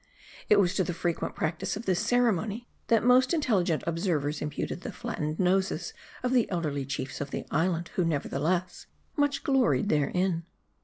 It was to the frequent practice of this ceremony, that most intelligent observers imputed the flattened noses of the elderly chiefs of the island ; who, nevertheless, much gloried therein.